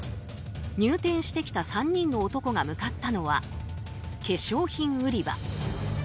入店してきた３人の男が向かったのは化粧品売り場。